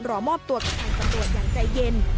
รอมอบตัวกับทางตำรวจอย่างใจเย็น